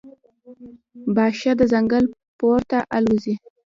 باښه د ځنګل پورته الوزي.